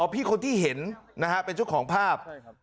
พี่คนที่เห็นนะฮะเป็นเจ้าของภาพ